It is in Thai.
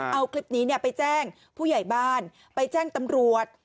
เอาคลิปนี้ไปแจ้งผู้ใหญ่บ้านไปแจ้งตำรวจ